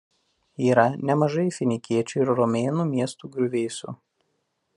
Yra nemažai finikiečių ir romėnų miestų griuvėsių.